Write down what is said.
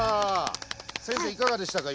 先生いかがでしたか？